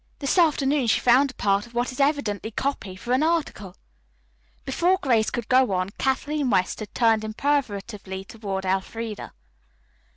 This afternoon she found a part of what is evidently copy for an article." Before Grace could go on Kathleen West had turned imperatively toward Elfreda.